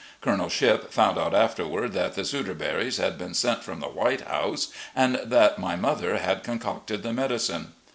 Colonel Shipp found out afterward that the sudor berries had been sent from the White House, and that my mother had concocted the medicine.